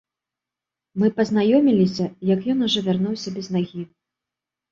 Мы пазнаёміліся, як ён ужо вярнуўся без нагі.